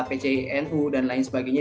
pcnu dan lain sebagainya